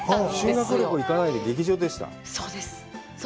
修学旅行行かないで劇場いたの。